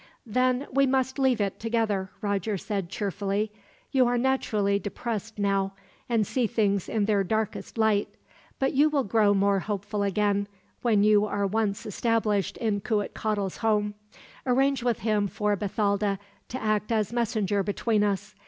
"Then we must leave it together," Roger said cheerfully. "You are naturally depressed now, and see things in their darkest light; but you will grow more hopeful again, when you are once established in Cuitcatl's home. Arrange with him for Bathalda to act as messenger between us.